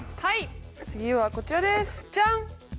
はい次はこちらですジャン！